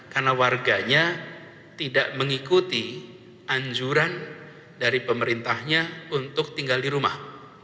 karena warganya tidak mengikuti anjuran dari pemerintahnya untuk tinggal di rumah